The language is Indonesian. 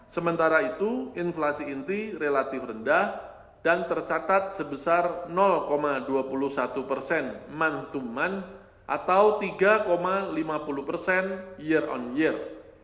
sementara itu inflasi inti relatif rendah dan tercatat sebesar dua puluh satu persen mont to mone atau tiga lima puluh persen year on year